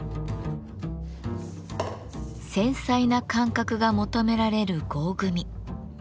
繊細な感覚が求められる合組。